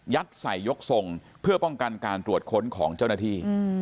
ใส่ยกทรงเพื่อป้องกันการตรวจค้นของเจ้าหน้าที่